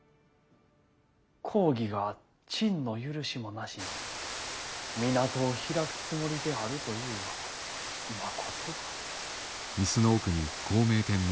公儀が朕の許しもなしに港を開くつもりであるというはまことか？